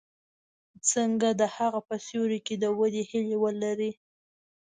څنګه د هغه په سیوري کې د ودې هیله ولري.